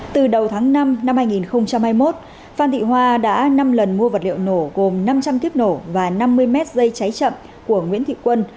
từ đầu tháng năm năm hai nghìn hai mươi một phan thị hoa đã năm lần mua vật liệu nổ gồm năm trăm linh kiếp nổ và năm mươi mét dây cháy chậm của nguyễn thị quân